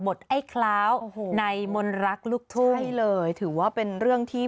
ไอ้คล้าวในมนต์รักลูกทุ่งนี่เลยถือว่าเป็นเรื่องที่